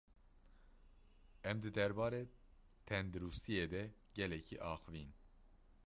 Em di derbarê tendirustiyê de gelekî axivîn.